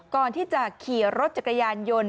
ก่อนที่จะขี่รถจักรยานยนต์